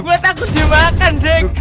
gua takut dimakan dik